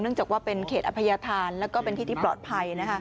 จากว่าเป็นเขตอภัยธานแล้วก็เป็นที่ที่ปลอดภัย